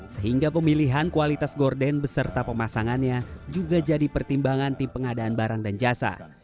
sehingga pemilihan kualitas gorden beserta pemasangannya juga jadi pertimbangan tim pengadaan barang dan jasa